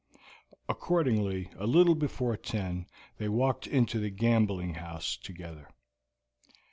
Accordingly a little before ten they walked into the gambling house together.